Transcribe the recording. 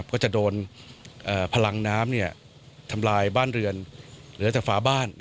ก็จะโดนพลังน้ำทำลายบ้านเรือนเหลือแต่ฝาบ้าน